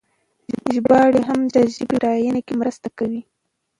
ژباړې هم د ژبې په بډاینه کې مرسته کوي.